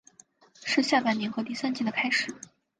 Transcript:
是下半年和第三季的开始。